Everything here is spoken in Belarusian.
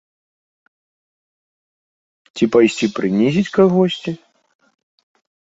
Ці пайсці прынізіць кагосьці?